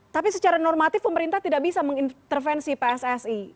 tapi secara normatif pemerintah tidak bisa mengintervensi pssi